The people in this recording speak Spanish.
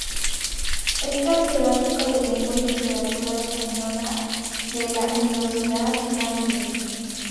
Es catedrático de Lengua y Literatura españolas de la Universidad de Nanjing.